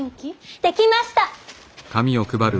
できました！